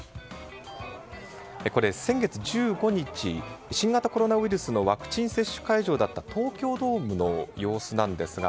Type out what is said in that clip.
これ、先月１５日新型コロナウイルスのワクチン接種会場だった東京ドームの様子なんですが。